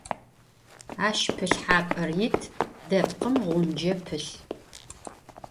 Aş pılhap'er yit, depkhım ğunce pılh.